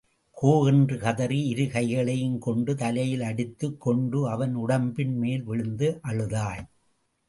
கோ என்று கதறி இரு கைகளையும் கொண்டு தலையில் அடித்துக் கொண்டு அவன் உடம்பின் மேல் விழுந்து அழுதாள்.